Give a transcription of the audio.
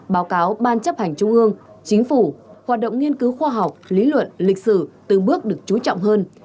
báo cáo ban chấp hành trung ương chính phủ hoạt động nghiên cứu khoa học lý luận lịch sử từng bước được chú trọng hơn